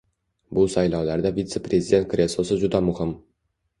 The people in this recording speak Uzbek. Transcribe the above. Bu saylovlarda Vitse-prezident kreslosi juda muhim.